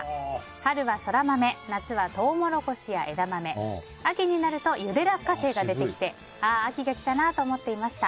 春はソラマメ夏はトウモロコシや枝豆秋になるとゆで落花生が出てきてああ、秋が来たなと思っていました。